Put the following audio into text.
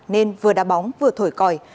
nên vừa đá bóng vừa thổi còi